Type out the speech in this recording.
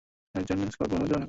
Agent Scott মহাপরিচালক, hello.